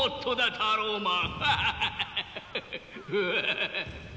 タローマン。